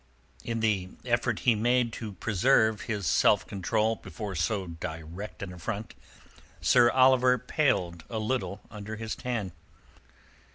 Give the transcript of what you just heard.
In the effort he made to preserve his self control before so direct an affront Sir Oliver paled a little under his tan.